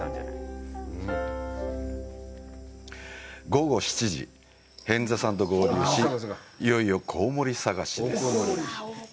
午後７時、平安座さんと合流し、いよいよコウモリ探しです！